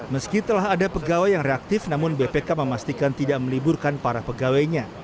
meski telah ada pegawai yang reaktif namun bpk memastikan tidak meliburkan para pegawainya